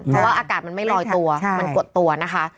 เพราะว่าอากาศมันไม่ลอยตัวมันกดตัวนะคะ